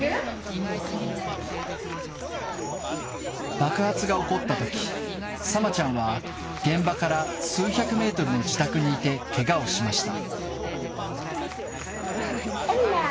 爆発が起こったとき、サマちゃんは現場から数百メートルの自宅にいてけがをしました。